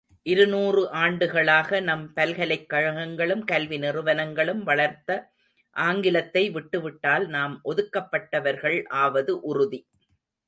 இருநூறு ஆண்டுகளாக நம் பல்கலைக் கழகங்களும் கல்வி நிறுவனங்களும் வளர்த்த ஆங்கிலத்தை விட்டுவிட்டால் நாம் ஒதுக்கப்பட்டவர்கள் ஆவது உறுதி.